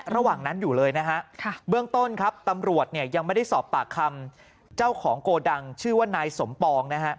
ระหว่างนั้นอยู่เลยนะฮะเบื้องต้นครับตำรวจเนี่ยยังไม่ได้สอบปากคำเจ้าของโกดังชื่อว่านายสมปองนะฮะ